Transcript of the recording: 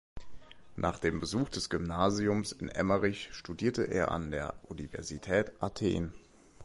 Nach dem Besuch des Gymnasiums in Emmerich studierte er an der Universität Athen.